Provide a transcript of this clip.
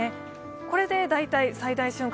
これで大体最大瞬間